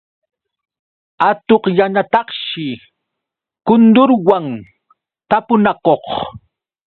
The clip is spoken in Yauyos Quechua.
Atuqñataqshi kundurwan tapunakuq.